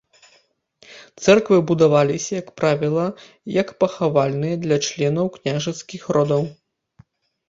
Цэрквы будаваліся, як правіла, як пахавальныя для членаў княжацкіх родаў.